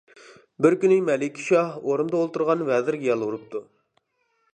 بىر كۈنى مەلىكە شاھ ئورنىدا ئولتۇرغان ۋەزىرگە يالۋۇرۇپتۇ.